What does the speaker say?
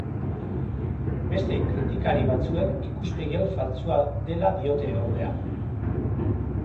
Beste kritikari batzuek ikuspegi hau faltsua dela diote, ordea.